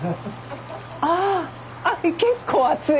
あぁあっ結構熱い。